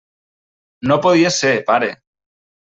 No podia ser, pare!